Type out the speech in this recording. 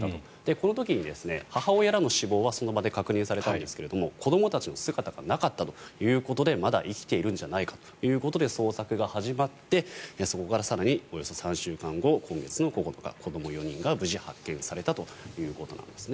この時に、母親らの死亡はその場で確認されたんですが子どもたちの姿がなかったということでまだ生きているんじゃないかということで捜索が始まってそこから更におよそ３週間後今月９日子ども４人が無事、発見されたということなんです。